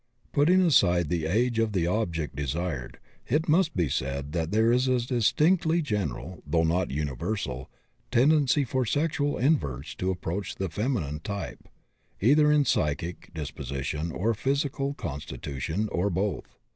Putting aside the age of the object desired, it must be said that there is a distinctly general, though not universal, tendency for sexual inverts to approach the feminine type, either in psychic disposition or physical constitution, or both.